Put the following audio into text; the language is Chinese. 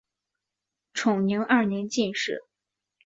崇宁二年进士。